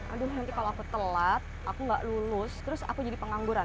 aduh nanti kalau aku telat aku gak lulus terus aku jadi pengangguran